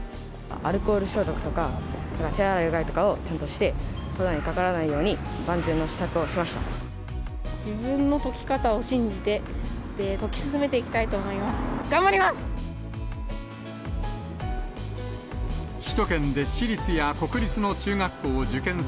アルコール消毒とか、手洗い、うがいとかをちゃんとして、コロナにかからないように、自分の解き方を信じて、解き進めていきたいと思います。